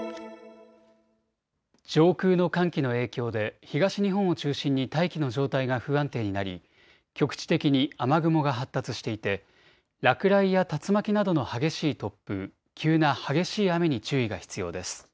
上空の寒気の影響で東日本を中心に大気の状態が不安定になり局地的に雨雲が発達していて落雷や竜巻などの激しい突風、急な激しい雨に注意が必要です。